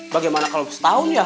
bagaimana kalau setahun ya